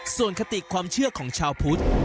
ส่วนคติความเชื่อของชาวพุทธ